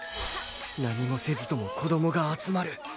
何もせずとも子供が集まる